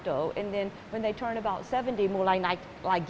dan ketika mereka mencapai tujuh puluh mulai naik lagi